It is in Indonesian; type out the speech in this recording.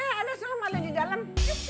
ada ada sulam ada di dalam